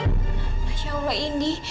masya allah indi